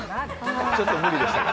ちょっと無理でしたか。